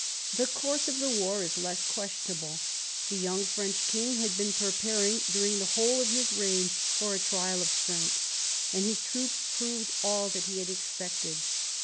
The course of the war is less questionable. The young French king had been pre paring during the whole of his reign for a trial of strength, and his troops proved all that he had expected.